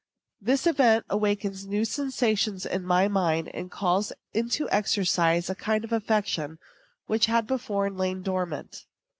This event awakens new sensations in my mind, and calls into exercise a kind of affection which had before lain dormant.